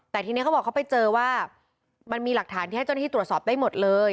แต่ทีนี้เขาบอกเขาไปเจอว่ามันมีหลักฐานที่ให้เจ้าหน้าที่ตรวจสอบได้หมดเลย